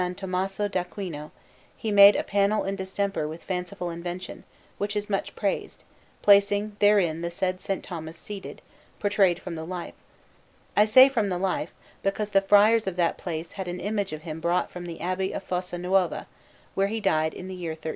Tommaso d'Aquino, he made a panel in distemper with fanciful invention, which is much praised, placing therein the said S. Thomas seated, portrayed from the life: I say from the life, because the friars of that place had an image of him brought from the Abbey of Fossa Nuova, where he died in the year 1323.